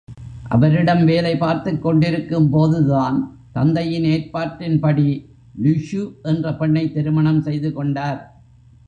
அவரிடம் வேலை பார்த்துக்கொண்டிருக்கும்போதுதான் தந்தையின் ஏற்பாட்டின்படி லு ஷு என்ற பெண்ணைத் திருமணம் செய்துகொண்டார்.